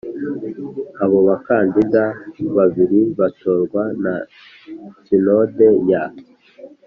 Abo bakandida babiri batorwa na sinode ya